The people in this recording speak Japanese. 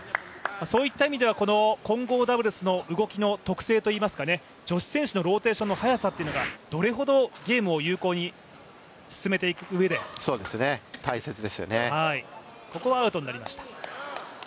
そういった意味では混合ダブルスの動きの特性、女子選手のローテーションの早さっていうのがどれほどゲームを有効に進めていくうえで大切ですよね。